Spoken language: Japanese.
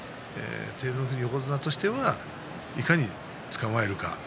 照ノ富士、横綱としてはいかにつかまえるか。